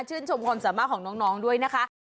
ชมความสามารถของน้องด้วยนะคะ